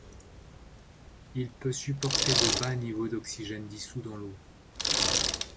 Il peut supporter de bas niveaux d'oxygène dissout dans l'eau.